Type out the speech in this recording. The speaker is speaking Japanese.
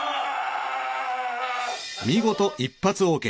見事一発ＯＫ。